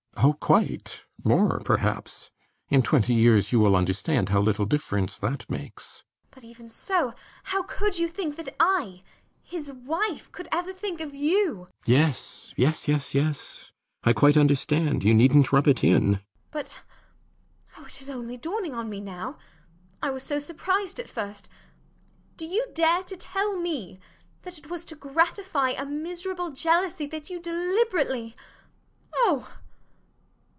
RIDGEON. Oh, quite. More, perhaps. In twenty years you will understand how little difference that makes. JENNIFER. But even so, how could you think that I his wife could ever think of YOU RIDGEON [stopping her with a nervous waving of his fingers] Yes, yes, yes, yes: I quite understand: you neednt rub it in. JENNIFER. But oh, it is only dawning on me now I was so surprised at first do you dare to tell me that it was to gratify a miserable jealousy that you deliberately oh!